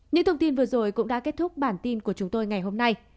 những thông tin vừa rồi cũng đã kết thúc bản tin của chúng tôi ngày hôm nay